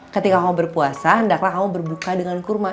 ketika kamu berpuasa hendaklah kamu berbuka dengan kurma